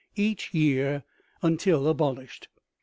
each year until abolished.